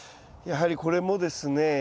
やはりこれもですね